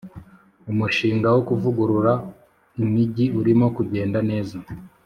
umushinga wo kuvugurura imijyi urimo kugenda neza.